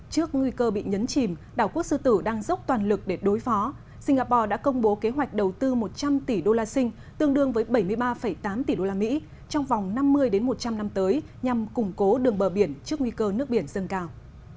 trước nguy cơ bị nhấn chìm đảo quốc sư tử đang dốc toàn lực để đối phó singapore đã công bố kế hoạch đầu tư một trăm linh tỷ đô la sinh tương đương với bảy mươi ba tám tỷ usd trong vòng năm mươi một trăm linh năm tới nhằm củng cố đường bờ biển trước nguy cơ nước biển dâng cao